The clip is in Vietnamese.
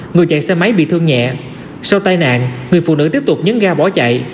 người chạy xe máy bị thương nhẹ sau tai nạn người phụ nữ tiếp tục nhấn ga bỏ chạy